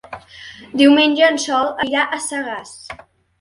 Diumenge en Sol anirà a Sagàs.